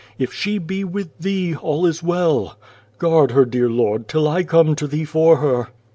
If she be with Thee, all is well. Guard her, dear Lord, till I come to Thee for her."